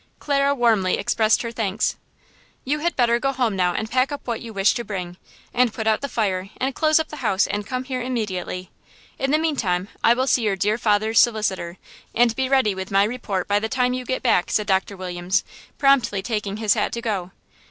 Clara warmly expressed her thanks. "You had better go home now and pack up what you wish to bring, and put out the fire and close up the house and come here immediately. In the mean time I will see your dear father's solicitor and be ready with my report by the time you get back," said Doctor Williams, promptly taking his hat to go.